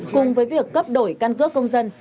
cùng với việc cấp đổi căn cước công dân